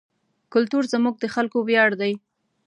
کلتور زموږ د خلکو ویاړ دی.